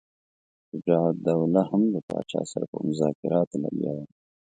شجاع الدوله هم له پاچا سره په مذاکراتو لګیا وو.